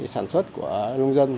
sản xuất của nông dân